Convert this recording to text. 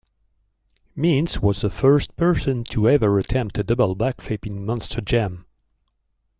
Meents was the first person to ever attempt a double backflip in Monster Jam.